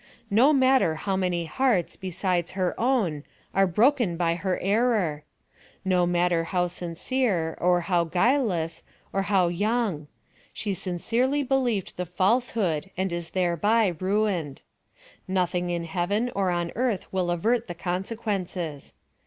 No matter how many hearts, besides her own, are broken by her error! No matter how sincere, or how guileless, or how young: she sincerely believed the falsehood and is thereby ruined. Nothing in heaven or on earth will avert the consequences.